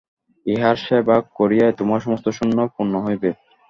ইঁহার সেবা করিয়াই তোমার সমস্ত শূন্য পূর্ণ হইবে।